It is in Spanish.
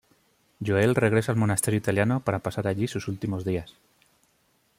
Joel regresa al monasterio italiano para pasar allí sus últimos días.